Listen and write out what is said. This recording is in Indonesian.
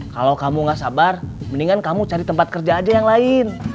kalau kamu gak sabar mendingan kamu cari tempat kerja aja yang lain